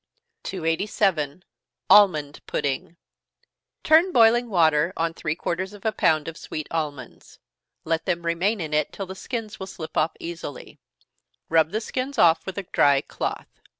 287. Almond Pudding. Turn boiling water on three quarters of a pound of sweet almonds. Let them remain in it till the skins will slip off easily rub the skins off with a dry cloth.